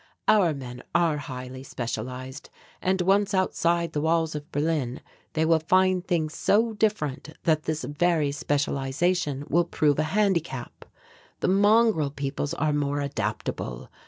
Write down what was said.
Our men are highly specialized, and once outside the walls of Berlin they will find things so different that this very specialization will prove a handicap. The mongrel peoples are more adaptable.